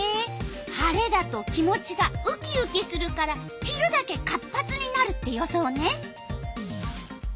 晴れだと気持ちがウキウキするから昼だけ活発になるって予想ね。